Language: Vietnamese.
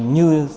như thầy nói